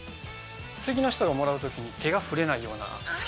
次の人がもらう時に手が触れないような。